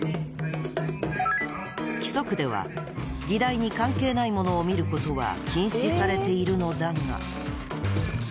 規則では議題に関係ないものを見ることは禁止されているのだが。